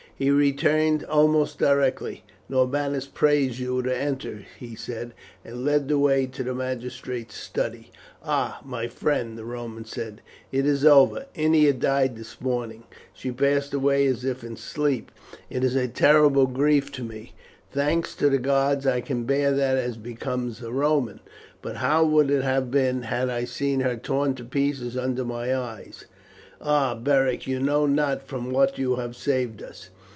He returned almost directly. "Norbanus prays you to enter," he said, and led the way to the magistrate's study. "Ah, my friend," the Roman said, "it is over! Ennia died this morning. She passed away as if in sleep. It is a terrible grief to me. Thanks to the gods I can bear that as becomes a Roman; but how would it have been had I seen her torn to pieces under my eyes? Ah, Beric you know not from what you have saved us!